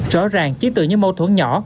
rõ ràng chỉ từ những mâu thuẫn nhỏ